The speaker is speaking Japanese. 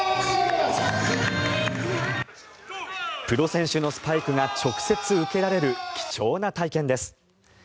プロ選手のスパイクが直接受けられる貴重な体験です。